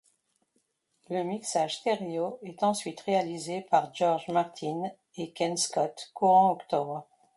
Le mixage stéréo est ensuite réalisé par George Martin et Ken Scott courant octobre.